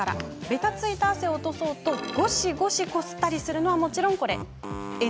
べたついた汗を落とそうとゴシゴシこすったりするのはもちろんＮＧ。